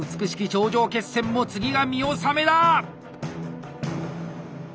頂上決戦も次が見納めだ！